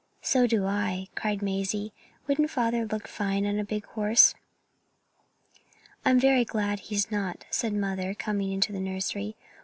"So do I," cried Mazie; "wouldn't father look fine on a big horse?" "I'm very glad he's not," said Mother, coming into the nursery.